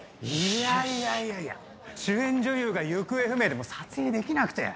いやいや主演女優が行方不明でもう撮影できなくて。